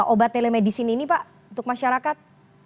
obat telemedicine ini pak untuk masyarakat